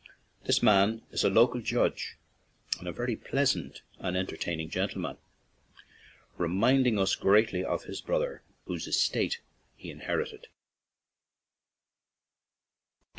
This man is a local judge and a very pleasant and entertaining gentleman, reminding us greatly of his late brother, whose estate he inherited.